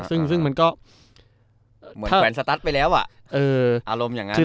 ซึ่งมันก็เหมือนแขวนสตั๊ดไปแล้วอ่ะเอออารมณ์อย่างนั้น